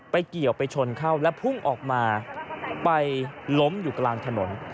เกี่ยวไปชนเข้าและพุ่งออกมาไปล้มอยู่กลางถนน